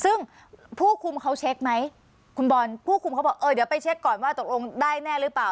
ซึ่งผู้คุมเขาเช็คไหมคุณบอลผู้คุมเขาบอกเออเดี๋ยวไปเช็คก่อนว่าตกลงได้แน่หรือเปล่า